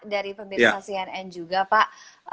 dari pemirsa cnn juga pak